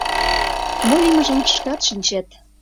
Мо лиймыжым шкат шинчет.